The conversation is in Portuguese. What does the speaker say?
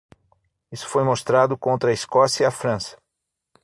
Isso foi mostrado contra a Escócia e a França.